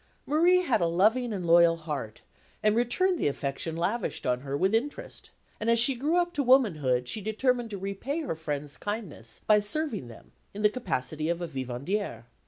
Marie had a loving and loyal heart, and returned the affection lavished on her with interest; and as she grew up to womanhood, she determined to repay her friends' kindness by serving them in the capacity of a vivandière.